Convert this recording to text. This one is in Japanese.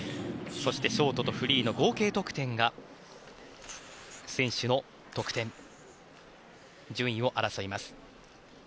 そしてショートとフリーの合計得点が選手の得点となり順位を争います。